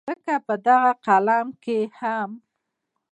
ځکه په دغه فلم کښې هم